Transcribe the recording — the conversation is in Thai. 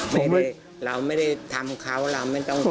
ไม่ได้เราไม่ได้ทำเขาเราไม่ต้อง